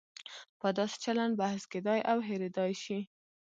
په داسې چلن بحث کېدای او هېریدای شي.